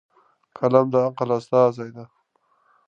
قلم د عقل استازی دی.